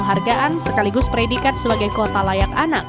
penghargaan sekaligus predikat sebagai kota layak anak